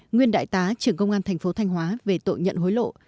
nguyên đại tá trưởng công an thành phố thanh hóa về tội nhận hối lộ